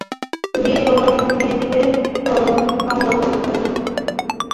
তুমি প্রবলভাবে মেয়েটিকে কামনা করেছ।